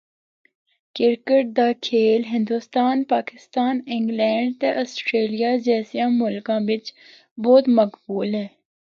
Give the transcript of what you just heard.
کرکٹ دا کھیل ہندوستان، پاکستان، انگلینڈ تے آسٹریلیا جیسیاں ملکاں بچ بہت مقبول اے۔